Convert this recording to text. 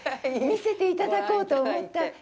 見せていただこうと思った。